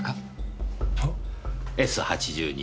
「Ｓ８２」。